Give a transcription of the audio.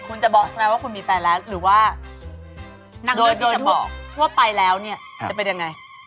คุณจะทำยังไง